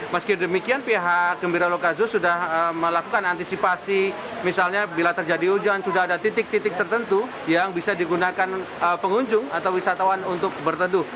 meski demikian pihak gembira loka zo sudah melakukan antisipasi misalnya bila terjadi hujan sudah ada titik titik tertentu yang bisa digunakan pengunjung atau wisatawan untuk berteduh